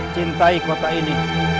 cintai kota ini